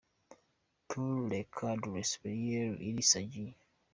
Pour les cadres supérieurs, il s’agit:.